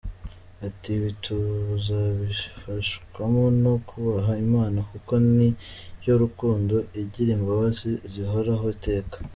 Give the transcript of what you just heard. Ati “Ibi tuzabifashwamo no kubaha Imana kuko ni yo rukundo igira imbabazi zihoraho iteka.